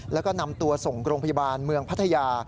แล้วก็นำตัวส่งโรงพยาบาลเมืองพัทยา